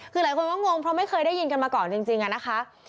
คือหลายคนก็งงเพราะไม่เคยได้ยินกันมาก่อนจริงอะนะคะ